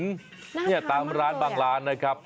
น่าท้ายมากเลยนี่ตามร้านบางร้านนะครับ